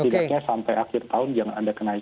setidaknya sampai akhir tahun jangan ada kenaikan